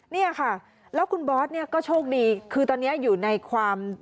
เนี่ยค่ะแล้วคุณบอสเนี่ยก็โชคดีคือตอนนี้อยู่ในความ